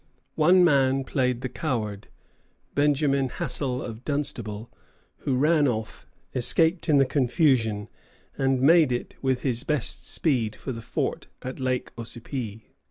One man played the coward, Benjamin Hassell, of Dunstable, who ran off, escaped in the confusion, and made with his best speed for the fort at Lake Ossipee.